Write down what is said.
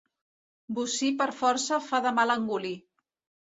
Bocí per força fa de mal engolir.